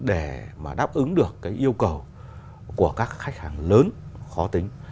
để đáp ứng được yêu cầu của các khách hàng lớn khó tính